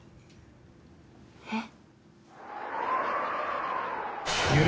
えっ？